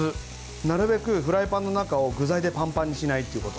なるべくフライパンの中を具材でパンパンにしないということ。